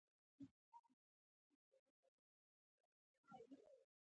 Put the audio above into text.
تعلیم نجونو ته د لومړنیو مرستو مهارتونه ور زده کوي.